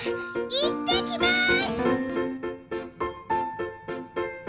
いってきます！